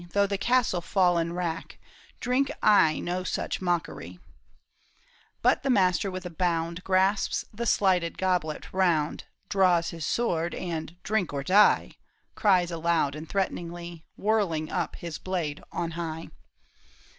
Though the castle fall in wrack Drink I no such mockery. " 13 14 • THE TOWER OF BOUVERIE. But the master with a bound Grasps the slighted goblet round, Draws his sword, and, " Drink or die 1 '* Cries aloud and threateningly. Whirling up, his blade on high.